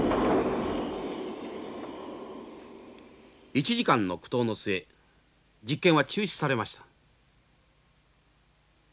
１時間の苦闘の末実験は中止されました。